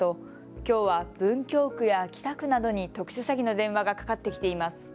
きょうは文京区や北区などに特殊詐欺の電話がかかってきています。